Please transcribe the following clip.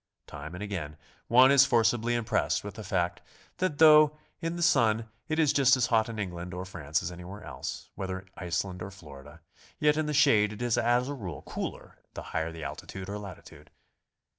Time and again one is forcibly impressed with the fact that though in the sun it is just as hot in England or France as anywhere else, — whether Iceland or Florida, — yet in the shade it is as a rule cooler the higher the altitude or latitude.